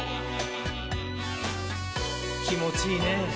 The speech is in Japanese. きもちいいねぇ。